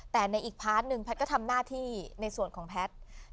แต่ในอีกพาร์ทหนึ่งแพทย์ก็ทำหน้าที่ในส่วนของแพทย์